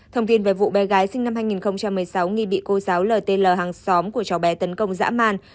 thông tin về vụ bé gái sinh năm hai nghìn một mươi sáu nghi bị cô giáo l t l hàng xóm của chó bé tấn công dã man